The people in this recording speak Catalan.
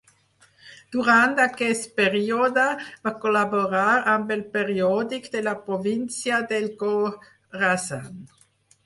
Durant aquest període va col·laborar amb el periòdic de la província del Khorasan.